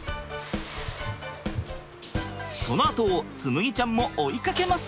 そのあとを紬ちゃんも追いかけます。